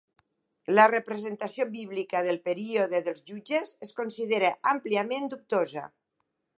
La representació bíblica del "període dels jutges" es considera àmpliament dubtosa.